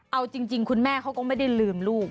เอาจริงคุณแม่เขาก็ไม่ได้ลืมลูก